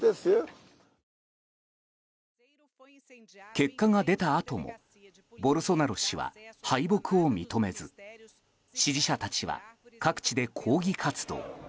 結果が出たあともボルソナロ氏は敗北を認めず支持者たちは各地で抗議活動。